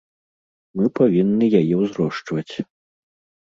Мы павінны яе ўзрошчваць.